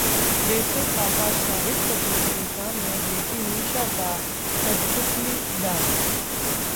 देखें: पापा शाहिद कपूर के सामने बेटी मीशा का 'कठपुतली डांस'